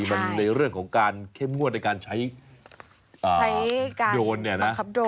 มันในเรื่องของการเข้มงวดในการใช้การโยนเนี่ยนะ